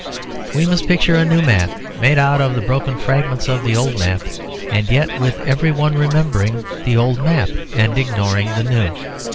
We must picture a new map made out of the broken fragments of the old map; and yet with every one remembering the old map and ignoring the new.